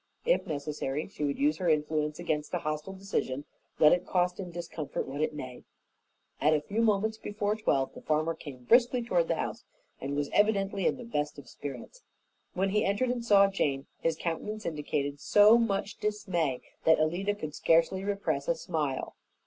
If necessary, she would use her influence against a hostile decision, let it cost in discomfort what it might. At a few moments before twelve the farmer came briskly toward the house, and was evidently in the best of spirits. When he entered and saw Jane, his countenance indicated so much dismay that Alida could scarcely repress a smile.